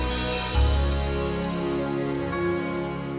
iya iya kebetulan saya juga ini lagi cari